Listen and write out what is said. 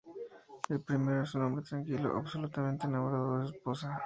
El primero es un hombre tranquilo, absolutamente enamorado de su esposa.